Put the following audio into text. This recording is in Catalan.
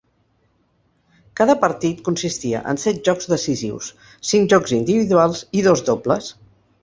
Cada partit consistia en set jocs decisius: cinc jocs individuals i dos dobles.